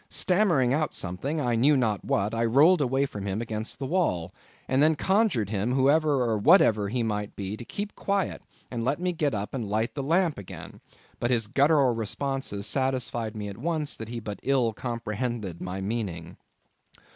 Stammering out something, I knew not what, I rolled away from him against the wall, and then conjured him, whoever or whatever he might be, to keep quiet, and let me get up and light the lamp again. But his guttural responses satisfied me at once that he but ill comprehended my meaning.